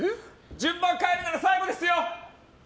順番変えるなら最後ですよ。